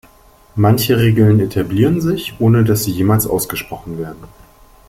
Manche Regeln etablieren sich, ohne dass sie jemals ausgesprochen werden.